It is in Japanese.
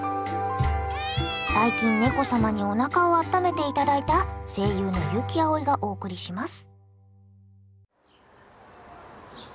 最近ネコ様におなかをあっためていただいた声優の悠木碧がお送りします。